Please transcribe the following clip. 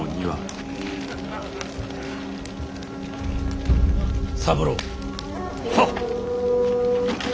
はっ。